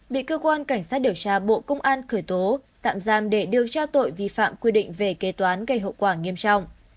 bị cơ quan cảnh sát điều tra bộ công an khởi tố tạm giam để điều tra tội vi phạm quy định về kế toán gây hậu quả nghiêm trọng